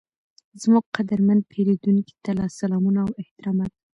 زموږ قدرمن پیرودونکي ته سلامونه او احترامات،